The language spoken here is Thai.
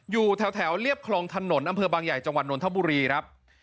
อยู่แถวเรียบคลองถนนอำเภอบางใหญ่จังหวัดนทบุรีครับ